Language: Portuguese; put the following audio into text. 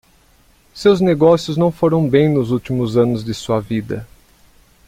Seus negócios não foram bem nos últimos anos de sua vida.